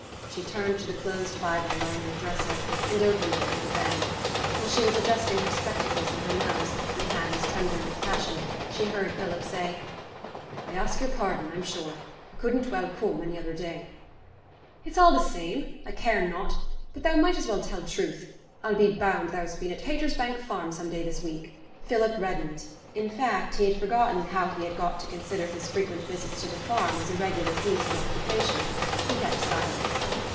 She turned to the closed Bible lying on the dresser, and opened it with a bang. While she was adjusting her spectacles on her nose, with hands trembling with passion, she heard Philip say, 'I ask yo'r pardon, I'm sure. I couldn't well come any other day.' 'It's a' t' same I care not. But thou might as well tell truth. I'll be bound thou's been at Haytersbank Farm some day this week?' Philip reddened; in fact, he had forgotten how he had got to consider his frequent visits to the farm as a regular piece of occupation. He kept silence.